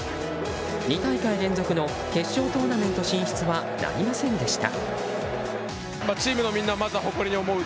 ２大会連続の決勝トーナメント進出はなりませんでした。